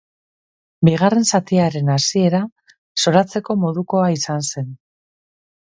Bigarren zatiaren hasiera zoratzeko modukoa izan zen.